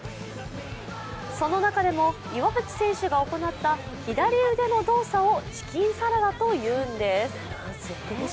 その中でも、岩渕選手が行った左腕の動作をチキンサラダというんです。